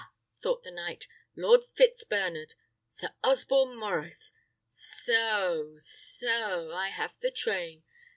thought the knight, "Lord Fitzbernard! Sir Osborne Maurice! So, so! I have the train.